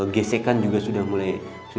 gesekan juga sudah mulai